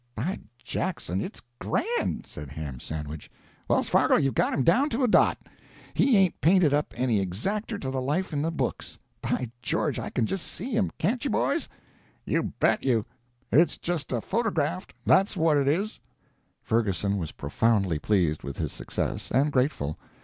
"By Jackson, it's grand!" said Ham Sandwich. "Wells Fargo, you've got him down to a dot. He ain't painted up any exacter to the life in the books. By George, I can just see him can't you, boys?" "You bet you! It's just a photograft, that's what it is." Ferguson was profoundly pleased with his success, and grateful.